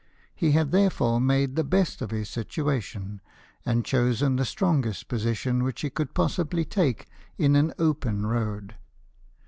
He had therefore made the best of his situation, and chosen the strongest position which he could possibly take in an open road.